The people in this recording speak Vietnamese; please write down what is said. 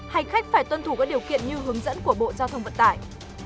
hành khách phải tuân thủ các điều kiện như hướng dẫn của bộ giao thông vận tải